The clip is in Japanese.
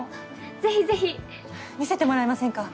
ぜひぜひ！見せてもらえませんか？